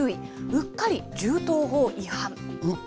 うっかり銃刀法違反。